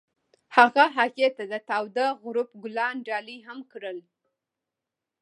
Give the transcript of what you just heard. هغه هغې ته د تاوده غروب ګلان ډالۍ هم کړل.